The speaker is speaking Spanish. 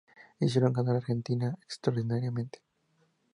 E hicieron ganar a Argentina extraordinariamente.